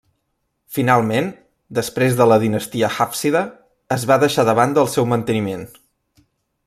Finalment, després de la dinastia Hàfsida, es va deixar de banda el seu manteniment.